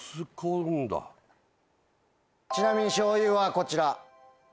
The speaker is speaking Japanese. ちなみにしゅうゆはこちら。